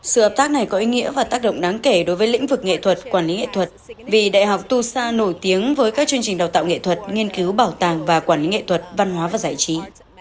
sự hợp tác này có ý nghĩa và tác động đáng kể đối với lĩnh vực nghệ thuật quản lý nghệ thuật vì đại học tucson nổi tiếng với các chương trình đào tạo nghệ thuật nghiên cứu bảo tàng và quản lý nghệ thuật văn hóa và giải trí